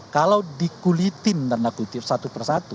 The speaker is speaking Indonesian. kalau dikulitin tanda kutip satu persatu